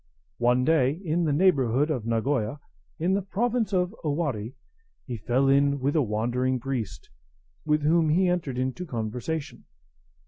] One day, in the neighbourhood of Nagoya, in the province of Owari, he fell in with a wandering priest, with whom he entered into conversation.